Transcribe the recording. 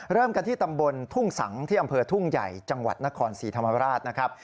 เริ่มกันที่ตำบลทุ่งสังที่อำเภอทุ่งใหญ่จังหวัดนครศรีธรรมราชนะครับ